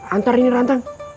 antar ini rantang